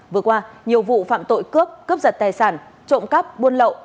vừa qua nhiều vụ phạm tội cướp cướp giật tài sản trộm cắp buôn lậu